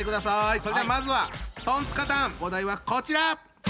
それではまずはトンツカタンお題はこちら！